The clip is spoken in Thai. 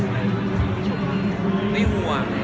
ไม่ใบหัว